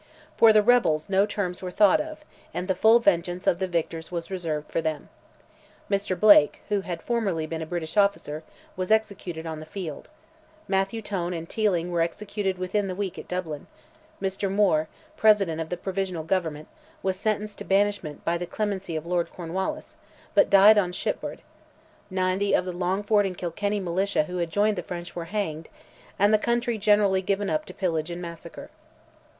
For the rebels no terms were thought of, and the full vengeance of the victors was reserved for them. Mr. Blake, who had formerly been a British officer, was executed on the field; Mathew Tone and Teeling were executed within the week in Dublin; Mr. Moore, President of the Provisional Government, was sentenced to banishment by the clemency of Lord Cornwallis, but died on shipboard; ninety of the Longford and Kilkenny militia who had joined the French were hanged, and the country generally given up to pillage and massacre.